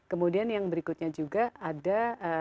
kemudian yang berikutnya juga ada